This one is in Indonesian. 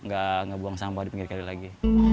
nggak buang sampah di pinggir kali lagi